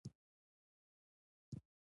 په افغانستان کې د هرات تاریخ اوږد دی.